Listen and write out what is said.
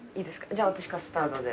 じゃあ私カスタードで。